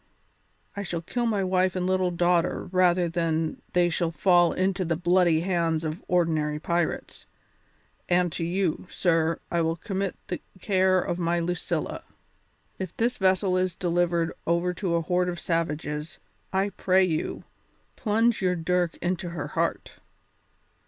I shall kill my wife and little daughter rather than they shall fall into the bloody hands of ordinary pirates, and to you, sir, I will commit the care of my Lucilla. If this vessel is delivered over to a horde of savages, I pray you, plunge your dirk into her heart."